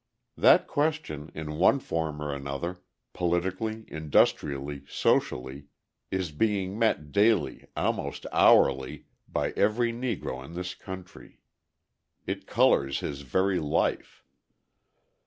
That question in one form or another politically, industrially, socially is being met daily, almost hourly, by every Negro in this country. It colours his very life.